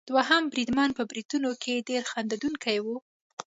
دوهم بریدمن په بریتونو کې ډېر خندوونکی وو.